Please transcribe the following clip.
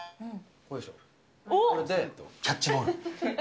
これでキャッチボール。